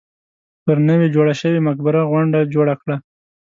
پر نوې جوړه شوې مقبره غونډه جوړه کړه.